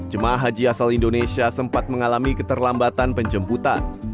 jemaah haji asal indonesia sempat mengalami keterlambatan penjemputan